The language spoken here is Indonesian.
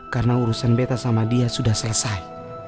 karena urusan beta sama dia sudah selesai